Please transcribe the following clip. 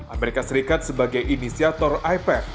amerika serikat sebagai inisiator ipec